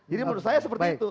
jadi menurut saya seperti itu